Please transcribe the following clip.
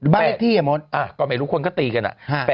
บ้านที่ก็ไม่รู้คนก็ตีกัน